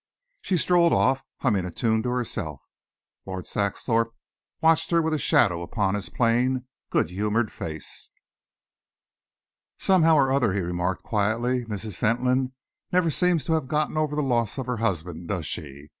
She strolled off, humming a tune to herself. Lord Saxthorpe watched her with a shadow upon his plain, good humoured face. "Somehow or other," he remarked quietly, "Mrs. Fentolin never seems to have got over the loss of her husband, does she?